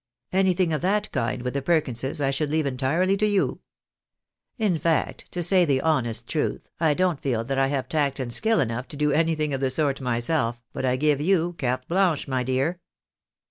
Anything of that kind with the Perkinses, I should leave entirely to you. In fact, to say the honest truth, I don't feel that I have tact and skill enough to do anything of the sort myself, but I give yovi carte blanche, my dear."